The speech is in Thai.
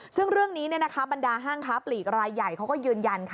ซึ่งเรื่องนี้บรรดาห้างค้าปลีกรายใหญ่เขาก็ยืนยันค่ะ